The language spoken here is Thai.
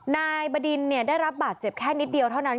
นายบดินได้รับบาดเจ็บแค่นิดเดียวเท่านั้น